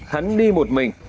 hắn đi một mình